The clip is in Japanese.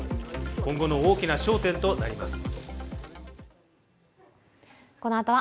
今後の大きな焦点となります。